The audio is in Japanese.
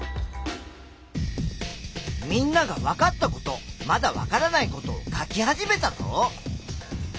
みんながわかったことまだわからないことを書き始めたぞ。